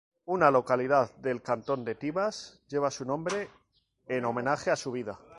Una localidad del cantón de Tibás lleva su nombre, en homenaje a su vida.